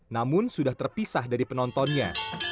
namun sudah terpisah dari penontonnya